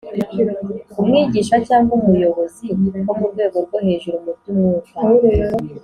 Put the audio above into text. umwigisha cyangwa umuyobozi wo mu rwego rwo hejuru mu by’umwuka